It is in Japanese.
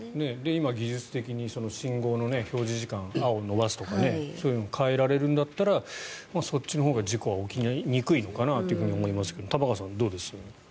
今、技術的に信号の表示時間青を延ばすとかそういうのも変えられるんだったらそっちのほうが事故は起きにくいのかなと思いますけれど玉川さん、どうです？